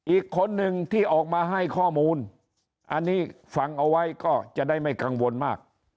อีกคนนึงที่ออกมาให้ข้อมูลอันนี้ฟังเอาไว้ก็จะได้ไม่กังวลมาก